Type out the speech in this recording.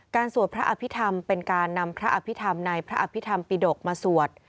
สวดพระอภิษฐรรมเป็นการนำพระอภิษฐรรมในพระอภิษฐรรมปิดกมาสวด